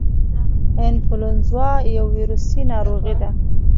انفلونزا یو ویروسي ناروغي ده